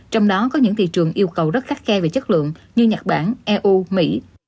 trong đó có những thị trường yêu cầu rất khắt khe về chất lượng như nhật bản eu mỹ